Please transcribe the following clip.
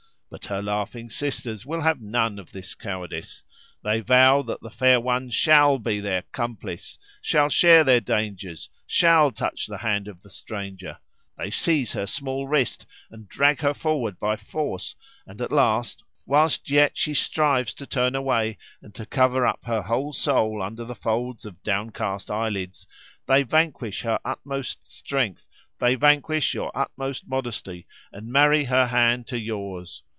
But her laughing sisters will have none of this cowardice; they vow that the fair one shall be their 'complice, shall share their dangers, shall touch the hand of the stranger; they seize her small wrist, and drag her forward by force, and at last, whilst yet she strives to turn away, and to cover up her whole soul under the folds of downcast eyelids, they vanquish her utmost strength, they vanquish your utmost modesty, and marry her hand to yours.